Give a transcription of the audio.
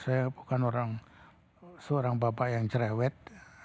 saya bukan orang seorang bapak yang cerewet